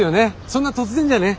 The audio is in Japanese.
そんな突然じゃね。